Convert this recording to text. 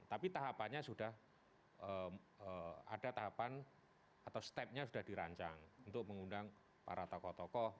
tapi tahapannya sudah ada tahapan atau stepnya sudah dirancang untuk mengundang para tokoh tokoh